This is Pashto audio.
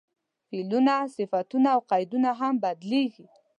فعلونه، صفتونه او قیدونه هم بدلېږي.